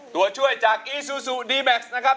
ตัวช่วยจากอีซูซูดีแม็กซ์นะครับ